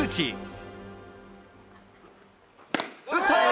打った！